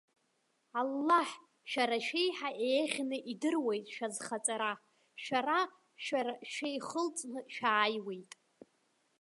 Аллаҳ шәара шәеиҳа еиӷьны идыруеит шәазхаҵара. Шәара-шәара шәеихылҵны шәааиуеит.